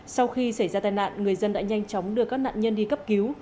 sau khi xảy ra tai nạn người dân đã nhanh chóng đưa các nạn nhân đi cấp cứu